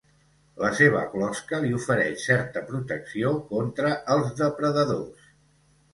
La seva closca li ofereix certa protecció contra els depredadors.